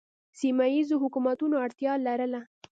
سیمه ییزو حکومتونو اړتیا لرله